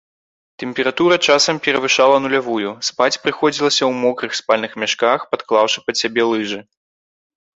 Тэмпература часам перавышала нулявую, спаць прыходзілася ў мокрых спальных мяшках, падклаўшы пад сябе лыжы.